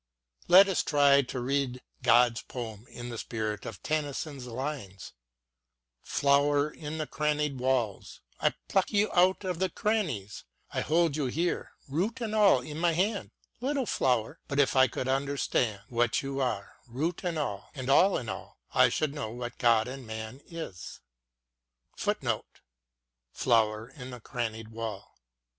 Let us try to read God's poem in the spirit of Tennyson's lines : Flower in the crannied wall, I pluck you out of the crannies ; I hold you here, root and all, in my hand, Little flower — ^but if I could understand What you are, root and all and aU in all, I should know what God and Man is.* •" Flower in the Crannied Wall."